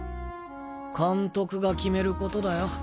監督が決めることだよ。